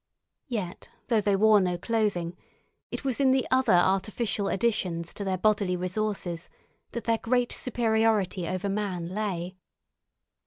Yet though they wore no clothing, it was in the other artificial additions to their bodily resources that their great superiority over man lay.